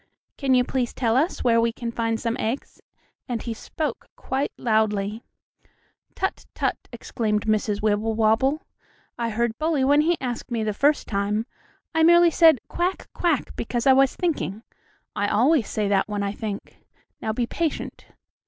"Can you please tell us where we can find some eggs?" and he spoke quite loudly. "Tut, tut!" exclaimed Mrs. Wibblewobble. "I heard Bully when he asked me the first time. I merely said, 'Quack! quack!' because I was thinking. I always say that when I think. Now be patient."